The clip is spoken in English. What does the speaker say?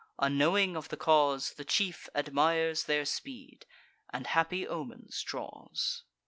Unknowing of the cause, The chief admires their speed, and happy omens draws.